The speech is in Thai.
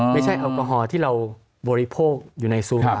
ไม่ใช่แอลกอฮอล์ที่เราบริโภคอยู่ในสูงหา